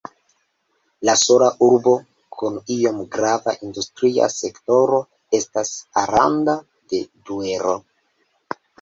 La sola urbo kun iom grava industria sektoro estas Aranda de Duero.